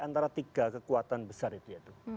antara tiga kekuatan besar itu